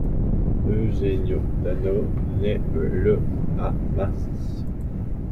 Eugenio Tano naît le à Marzi.